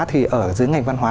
thì ở dưới ngành văn hóa